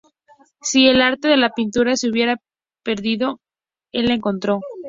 Si el arte de la pintura se hubiera perdido, el la encontró.